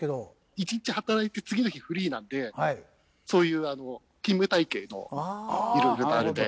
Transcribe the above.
一日働いて次の日フリーなのでそういう勤務体系の色々とあれで。